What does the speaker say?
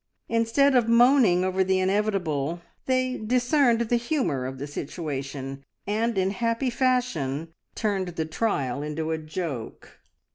Instead of moaning over the inevitable, they discerned the humour of the situation, and in happy fashion turned the trial into a joke.